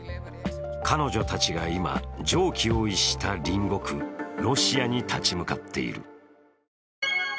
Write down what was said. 彼女たちが今、常軌を逸した隣国、ロシアに立ち向かっている。